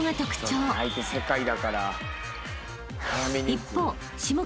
［一方］